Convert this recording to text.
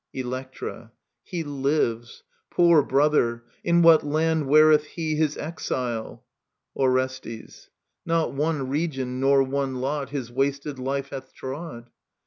Electra. He lives ! Poor brother ! In what land weareth he His exile i Orestes. Not one region nor one lot His wasted life hath trod.